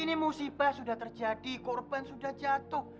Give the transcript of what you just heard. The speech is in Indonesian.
ini musibah sudah terjadi korban sudah jatuh